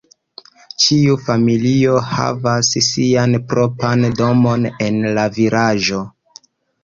Ĉiu familio havas sian propran domon en la vilaĝo.